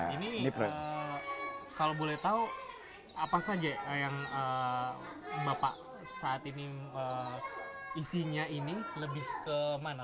ini kalau boleh tahu apa saja yang bapak saat ini isinya ini lebih kemana